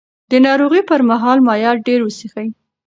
د ناروغۍ پر مهال مایعات ډېر وڅښئ.